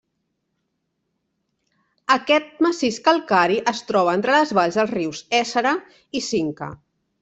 Aquest massís calcari es troba entre les valls dels rius Éssera i Cinca.